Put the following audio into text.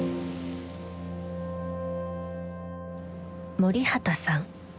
森畑さん